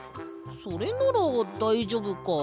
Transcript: それならだいじょうぶか。